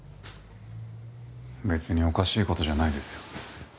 別におかしい事じゃないですよ。